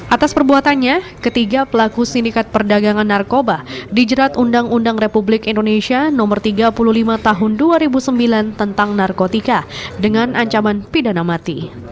atas perbuatannya ketiga pelaku sindikat perdagangan narkoba dijerat undang undang republik indonesia no tiga puluh lima tahun dua ribu sembilan tentang narkotika dengan ancaman pidana mati